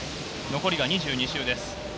残りが２２週です。